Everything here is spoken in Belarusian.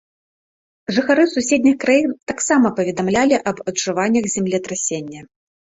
Жыхары суседніх краін таксама паведамлялі аб адчуваннях землетрасення.